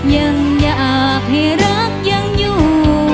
ยังอยากให้รักยังอยู่